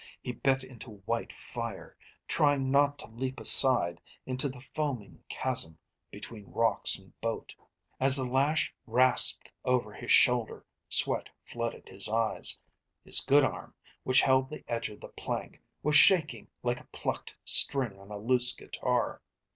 He bit into white fire, trying not to leap aside into the foaming chasm between rocks and boat. As the lash rasped over his shoulder, sweat flooded his eyes. His good arm, which held the edge of the plank, was shaking like a plucked string on a loose guitar.